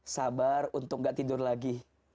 sabar untuk gak tidur lagi